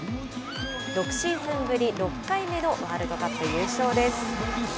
６シーズンぶり６回目のワールドカップ優勝です。